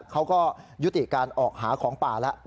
เขาก็ยุติการออกหาของป่าแล้ว